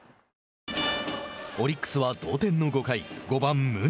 オリックスは同点の５回５番宗。